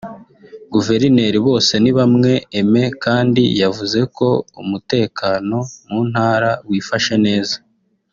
Guverineri Bosenibamwe Aimé kandi yavuze ko umutekano mu ntara wifashe neza